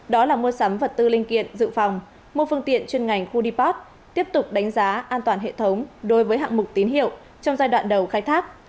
đó là mua sắm vật tư linh kiện dự phòng mua phương tiện chuyên ngành khu deport tiếp tục đánh giá an toàn hệ thống đối với hạng mục tín hiệu trong giai đoạn đầu khai thác